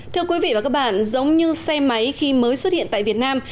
thưa quý vị và các bạn giống như xe máy khi mới xuất hiện tại việt nam